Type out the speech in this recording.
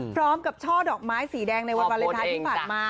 ช่อดอกไม้สีแดงในวันวาเลนไทยที่ผ่านมา